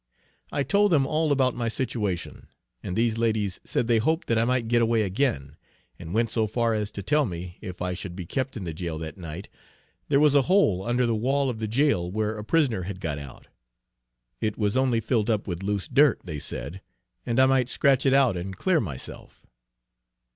I told them all about my situation, and these ladies said they hoped that I might get away again, and went so far as to tell me if I should be kept in the jail that night, there was a hole under the wall of the jail where a prisoner had got out. It was only filled up with loose dirt, they said, and I might scratch it out and clear myself.